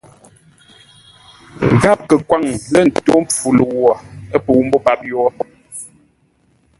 Gháp kə kwaŋ lə̂ ńtó mpfu ləu wo, ə́ pəu mbô páp yórə́.